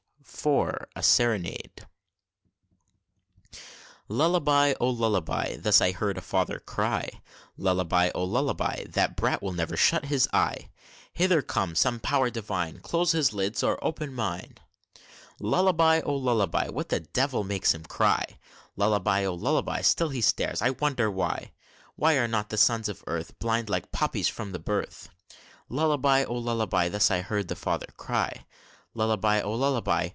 IV. A SERENADE. "Lullaby, oh, lullaby!" Thus I heard a father cry, "Lullaby, oh, lullaby!" The brat will never shut an eye; Hither come, some power divine! Close his lids, or open mine! "Lullaby, oh, lullaby! What the devil makes him cry? Lullaby, oh, lullaby! Still he stares I wonder why, Why are not the sons of earth Blind, like puppies, from the birth?" "Lullaby, oh, lullaby!" Thus I heard the father cry; "Lullaby, oh, lullaby!